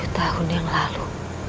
tujuh tahun yang lalu